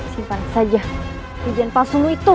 simpan saja kebijan pasungmu itu